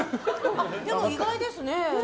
でも意外ですね。